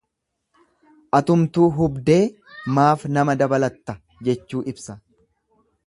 Atumtuu hubdee maaf nama dabalatta jechuu ibsa.